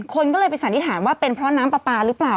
คนก็เลยไปสันนิษฐานว่าเป็นเพราะน้ำปลาปลาหรือเปล่า